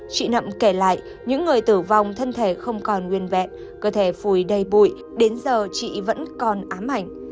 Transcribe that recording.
chị nậm kể lại những người tử vong thân thể không còn nguyên vẹn cơ thể phù đầy bụi đến giờ chị vẫn còn ám ảnh